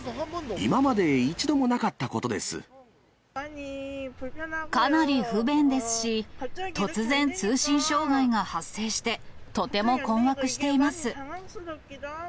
今まで一度もなかったことでかなり不便ですし、突然、通信障害が発生して、とても困惑しています。